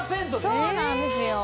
そうなんですよ